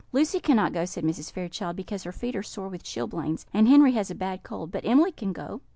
"Lucy cannot go," said Mrs. Fairchild, "because her feet are sore with chilblains, and Henry has a bad cold; but Emily can go."